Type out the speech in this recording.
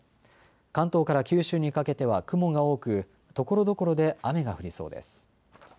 関東から九州にかけては雲が多くところどころで雨が降りそうです。